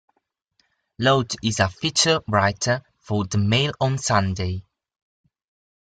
Laud is a feature writer for "The Mail on Sunday".